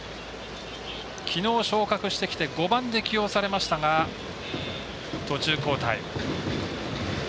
きのう昇格してきて５番で起用されましたが途中交代。